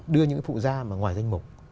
đưa những phụ da ngoài danh mục